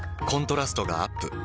コントラストがアップ。